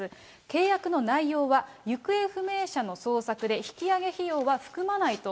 契約の内容は、行方不明者の捜索で引き揚げ費用は含まないと。